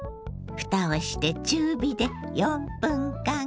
蓋をして中火で４分間。